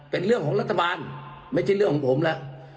เป็นเรื่องของรัฐบาลไม่ใช่เรื่องของผมแล้ว